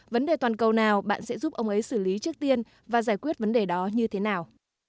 vấn đề toàn cầu nào bạn sẽ giúp ông ấy xử lý trước tiên và giải quyết vấn đề đó như thế nào